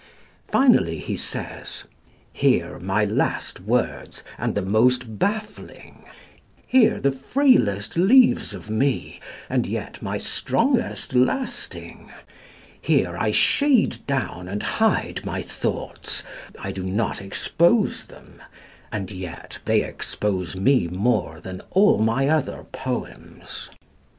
Finally, he says: "Here my last words, and the most baffling, Here the frailest leaves of me, and yet my strongest lasting, Here I shade down and hide my thoughts I do not expose them, And yet they expose me more than all my other poems."